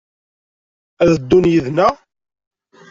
Ad d-ddun yid-neɣ?